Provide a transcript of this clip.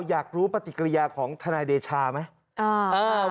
อยากรู้ปฏิกิริยาของทนายเดชาไหม